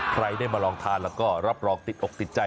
ใครได้มาลองทานแล้วก็รับรองติดอกติดใจ